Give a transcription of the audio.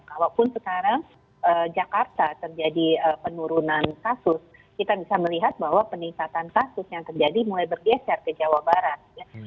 kalaupun sekarang jakarta terjadi penurunan kasus kita bisa melihat bahwa peningkatan kasus yang terjadi mulai bergeser ke jawa barat